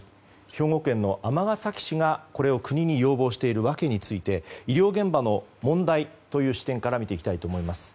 兵庫県の尼崎市がこれを国に要望している訳について医療現場の問題という視点から見ていきたいと思います。